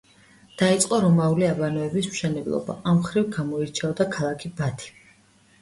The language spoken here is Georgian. დაიწყო რომაული აბანოების მშენებლობა, ამ მხრივ გამოირჩეოდა ქალაქი ბათი.